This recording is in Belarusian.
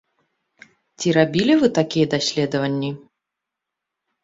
Ці рабілі вы такія даследаванні?